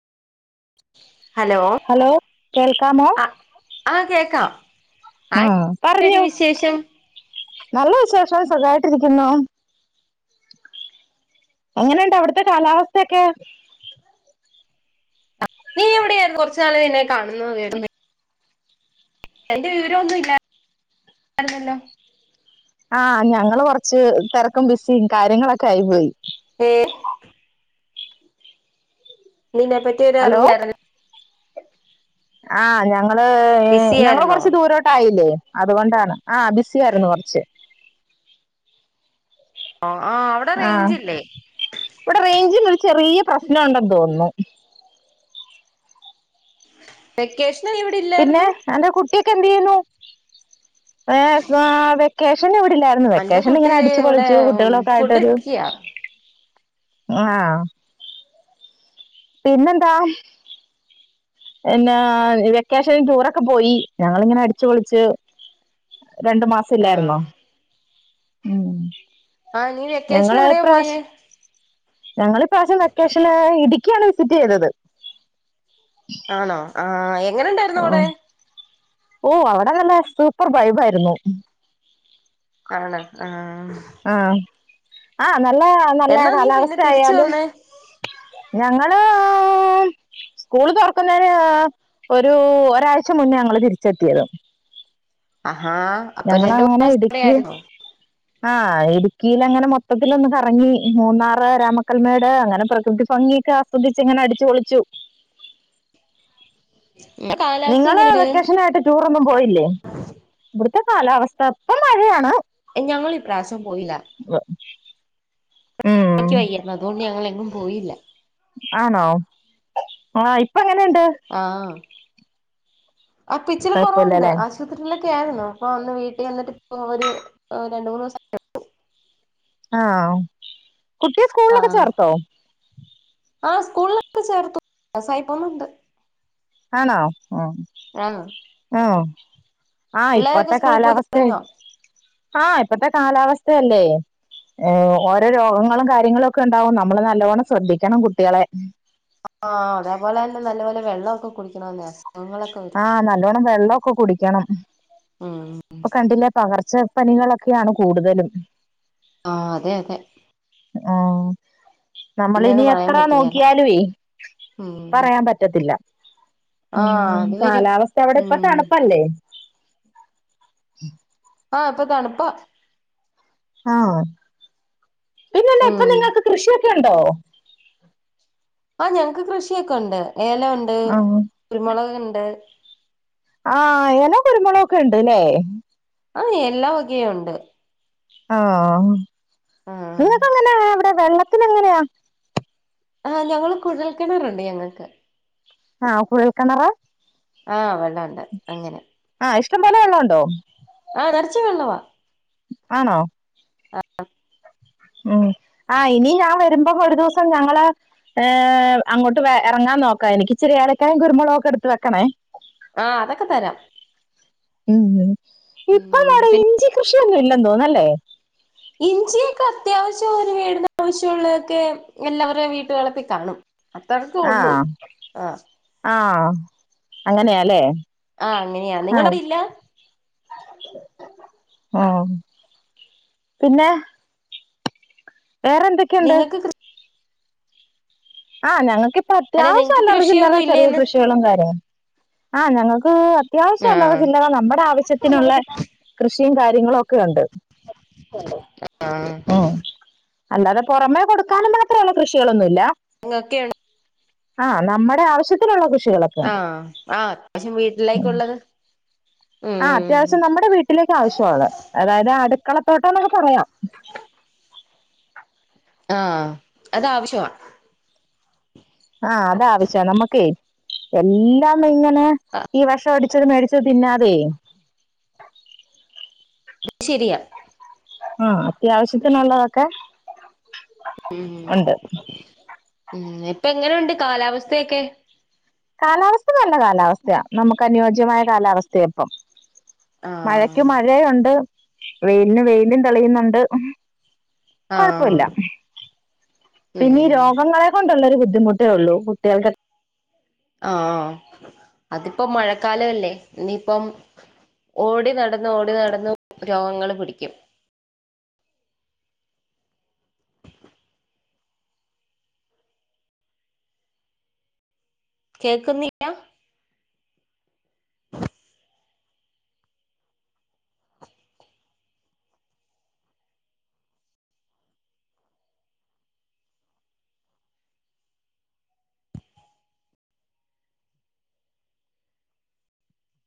hello കേൾക്കമോ ആ ആ കേക്കാം ആ ആഹ് എടി പറഞ്ഞോ വിശേഷം നല്ല വിശേഷം സുഖമായിട്ടിരിക്കുന്നു എങ്ങനെയുണ്ട് അവിടുത്തെ കാലാവസ്ഥയൊക്കെ നീ എവിടെയായിരുന്നു കൊറച്ച് നാള് നിന്നെ കാണുന്ന വ അതിന്റെ വിവര ഒന്നും ഇല്ല പറഞ്ഞല്ലോ ആഹ് ഞങ്ങള് കൊറച്ച് തിരക്കും ബിസും കാര്യങ്ങളൊക്കെ ആയി പോയി [inaudible] നിന്നേ പറ്റി ഹലോ ആഹ് ഞങ്ങള് ഏ ബിസി ഞങ്ങള് ആയിരുന്നോ കൊറച്ച് ദൂരോട്ടായില്ലേ അതുകൊണ്ടാണ് ആഹ് ബിസി ആയിരുന്നു കുറച്ച് ആഹ് നിന്ന് ആഹ് ഇവിടെ റേഞ്ചിനൊരു ചെറിയ പ്രശ്നുണ്ടെന്ന് തോന്നുന്നു വെക്കേഷന് നീ ഇവിടെ ഇല്ലായിരുന്നു അൻ്റെ കുട്ടിയൊക്കെ എന്ത് ചെയ്യുന്നു ഏ വെക്കേഷൻ ഇവിടില്ലരുന്നു എന്റെ വെക്കേഷൻ കുട്ടി ഇങ്ങനെ അടിച്ചു ഇവിടെ പൊളിച്ചു കുട്ടികളൊക്കെ ഫുഡ് ആയിട്ടൊരു കഴിക്കാ ആഹ് പിന്നെന്താ എന്നാ വെക്കേഷന് ടൂറൊക്കെ പോയി ഞങ്ങളിങ്ങനെ അടിച്ചു പൊളിച്ച് രണ്ടു മാസം ആ ഇല്ലാരുന്നോ ഉം ആ നീ വെക്കേഷന് എവിടെ പോയേ ഞങ്ങളി പ്രാവശ്യം വെക്കേഷന് ഇടുക്കിയാണ് വിസിറ്റ് ചെയ്തത് ആണോ ആ എങ്ങനെണ്ടേര്ന്നു അവിടെ ഓ അവിടെ നല്ല സൂപ്പർ ബൈബായിരുന്നു ആണേആഹ് ആഹ് ആ നല്ല നല്ല എന്നാ നീ പിന്നെ കാലാവസ്ഥാ തിരിച്ചു യാലും വന്നേ ഞങ്ങള് സ്കൂള് തുറക്കുന്നേന് ഒരു ഒരാഴ്ച്ച മുന്നേ ഞങ്ങള് തിരിച്ചെത്തിയത് അഹാ ഞങ്ങള അങ്ങനെ ഇടുക്കി ആഹ് ഇടുക്കീലങ്ങനെ മൊത്തത്തിലൊന്ന് കറങ്ങി മൂന്നാറ് രാമക്കൽമേട് അങ്ങനെ പ്രകൃതി ഭംഗിയെക്കെ ആ സ്യദിച്ച് ങ്ങനെ അടിച്ചു പൊളിച്ചു [inaudible] നിങ്ങള് എങ്ങനെയുണ്ട് വെക്കേഷനായിട്ട് ടൂറൊന്നും പോയില്ലേ ഇവട്ത്തെ കാലാവസ്ഥ ഇപ്പ മഴയാണ് ഏ ഞങ്ങളി ഇപ്രാവശ്യം പോയില്ല വ്വ് ഉം ക്ക് വയ്യാരുന്നു അതൊണ്ട് ഞങ്ങളെങ്ങും പോയില്ല ആണോ ആ ഇപ്പ എങ്ങനെണ്ട് ആഹ് ആ പിച്ചിരികുറവുണ്ട് കുഴപ്പമില്ലല്ലേ ആശുപത്രിയിലൊക്കെ യിരുന്നു പ്പം അന്ന് വീട്ടി വന്നിട്ട് പ്പോ ഒരു രണ്ട്മൂന്ന് ദിവസം ആഹ് കുട്ടിയെ സ്കൂളിലൊക്കെ ചേർത്തോ ആ സ്കൂളിലൊക്കെ ചേർത്തു പാസായിപ്പോന്നുണ്ട് ആണോ ഉം ആണേ ആണേ ആ ഇപ്പത്തെ സ്കൂളിൽ പോയി കാലാവസ്ഥേ തുടങ്ങിയോ ആഹ് ഇപ്പത്തെ കാലാവസ്ഥയല്ലേ ഏ ഓരോ രോഗങ്ങളും കാര്യങ്ങളും ഒക്കെ ണ്ടാവും നമ്മള് നല്ലവണ്ണം ശ്രദ്ധിക്കണം കുട്ടികളെ ആഹ് അതേപോലെ തന്നെ നല്ലപോലെ വെള്ളമൊക്കെ കുടിക്കണം അസുഖങ്ങളൊക്കെ വരും ആ നല്ലോണ്ണം വെള്ളാക്കെ കുടിക്കണം ഉം പ്പം കണ്ടില്ലേ പകർച്ച പനികളൊക്കെയാണ് കൂടുതലും ആഹ് അതെ അതെ ആ ഹ് നമ്മളി ഇനി പിന്നെന്ന് പറയാൻ എത്ര പറ്റിയേല നോക്കിയാലു ഉം പറയാൻ പറ്റ പറ്റത്തില്ല ഉം ആഹ് അതെ കാലാവസ്ഥ അവിടെ ഇപ്പ തണുപ്പല്ലേ ആഹ് ഇപ്പ തണുപ്പ ആണേ പിന്നെ ല്ലാ ഇപ്പ ഉം നിങ്ങൾക്ക് കൃഷിയൊക്കെ ണ്ടോ ആഹ് ഞങ്ങക്ക് കൃഷിയൊക്കെ ണ്ട് ഏലം ണ്ട് ആഹ് കുരുമുളക് ണ്ട് ആഹ് ഏലം കുരുമുളൊക്കെ ണ്ട് ല്ലേ ആഹ് എല്ലാ വകയും ഉണ്ട് ആണേ ആഹ് ഇങ്ങക്ക് എങ്ങനെ അവിടെ വെള്ളത്തിന് എങ്ങനെയാ ആഹ് ഞങ്ങള് കുഴൽ കിണറുണ്ട് ഞങ്ങൾക്ക് ആഹ് കുഴൽ കിണറാ ആ വെള്ളം ഉണ്ട് അങ്ങനെ ആഹ് ഇഷ്ടം പോലെ വള്ളം ഉണ്ടോ ആഹ് നർച്ചും വെള്ളവാ ആണോ ഉം ആഹ ഇനി ഞാൻ വരുമ്പോ ഒരു ദിവസം ഞങ്ങള് ഏഹ് അങ്ങോട്ട് ഇറങ്ങാൻ നോക്കാം എനിക്കിച്ചിരി ഏ ല ക്കായും കുരുമുളകും ഒക്കെ എടുത്ത് വെക്കണേ ആഹ് അതൊക്കെ തരാം ഉ ഇപ്പൊ ഉം നമ്മടെ പിന്നെ ഇഞ്ചി കൃഷിയൊന്നും ഇല്ലന്ന് തോന്നുന്നല്ലേ ഇഞ്ചിയൊക്കെ അത്യാവശ്യം ഒരു വീടിന് ആവശ്യം ഉള്ളതൊക്കെ എല്ലാവരെയും വീട്ടുവള പ്പിൽ കാണും അത്രക്കെ ആഹ ഉള്ളൂ ആഹ ഉ ആഹ അങ്ങനെയാ നിങ്ങ അറിയില്ല ആഹ പിന്നെ വേറെന്തൊ നിങ്ങൾക്ക്കൃ ആഹ് ഞങ്ങക്കി പ്പ അല്ല അത്യാവശ്യം നിങ്ങക്ക് അല്ലറ ചില്ലറ കൃഷിയൊന്നും ചെറിയ ഇല്ലേന്ന് കൃഷികളും കാര്യങ്ങള് ആഹ് ഞങ്ങക്ക് അത്യാവശ്യല്ല റ ആഹ് ചില്ലറ നമ്മുടെ ആവശ്യത്തിനുള്ള കൃഷിയും കാര്യങ്ങളും ഒക്കെഉണ്ട് ആഹ ഉ അല്ലാതെ പുറമേ കൊടുക്കാനും മാത്ര ള്ള കൃഷികളൊന്നുമില്ല ഇങ്ങ ക്കെ ആ നമ്മുടെ ആവശ്യത്തിനുള്ള കൃഷികളൊ ആഹ ആ അത്യാവശ്യം വീട്ടിലേക്കുള്ളത് ഉ വീ ട്ടിലേക്ക് ആവശ്യള്ള അതായത് അടുക്കളത്തോട്ടം എന്നൊക്കെ പറയാം ആഹ അതാ വശ്യമാണ് ആഹ അത ആവശ്യനമ്മുക്കെ എല്ലാം ഇങ്ങനെ ഈ വെ ഷംഅടി ച്ച മേടിച്ചത് തിന്നാതെ ശരിയ ആഹ അത്യാവശ്യത്തിനുള്ളതൊക്കെ ഉം ഒ ണ്ട് ഉം ഇപ്പ എങ്ങനെഉ ണ്ട് കാലാവസ്ഥയൊക്കെ കാലാവസ്ഥ നല്ല കാലാവസ്ഥയാ നമുക്ക് അനുയോജ്യമായ കാലാവസ്ഥയ ഇ പ്പം മഴക്ക് ആഹ് മഴെ ഒ ണ്ട് വെയിലിന് വെയിലും തെളിയുന്നുണ്ട് കൊ ഴപ്പഇ ആഹ് ല്ല പിന്നീ ഉം രോഗങ്ങളെ കൊണ്ടുള്ളൊരു ബുദ്ധിമുട്ടേ ഉള്ളൂ കുട്ടികൾക്കെ ആഹ അതിപ്പോ മഴക്കാലല്ലേ ഇനിപ്പം ഓടി നടന്ന്ഓടി നടന്ന് രോഗങ്ങള് പിടിക്കും കേക്കുന്നില്ല